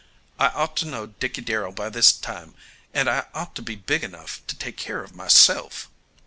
I ought to know Dickey Darrell by this time, and I ought to be big enough to take care of myself."